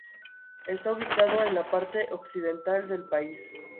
Está ubicado en la parte occidental del país.